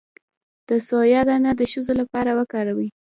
د سویا دانه د ښځو لپاره وکاروئ